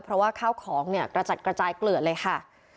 เพราะว่าข้าวของเนี่ยกระจัดกระจายเกลือดเลยค่ะ